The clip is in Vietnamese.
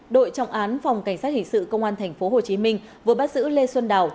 đội trọng án phòng cảnh sát hình sự công an tp hcm vừa bắt giữ lê xuân đào